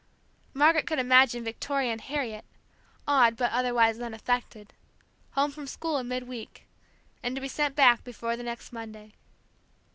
Margaret could imagine Victoria and Harriet, awed but otherwise unaffected, home from school in midweek, and to be sent back before the next Monday.